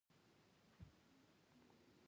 له بله پلوه د کار توکي د وسایلو ټولګه ده.